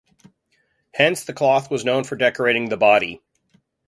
Hence the cloth was known for decorating the body.